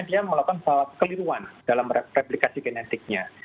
dia melakukan salah keliruan dalam replikasi genetiknya